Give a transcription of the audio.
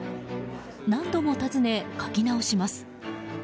何度も尋ね、描き直します。